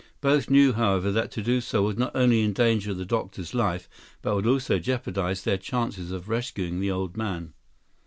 Both knew, however, that to do so would not only endanger the doctor's life, but would also jeopardize their chances of rescuing the old man.